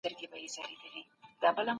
سوي تعمير کي وجود لري، چي هدف ئې د علامه